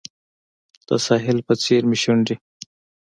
د ساحل په څیر مې شونډې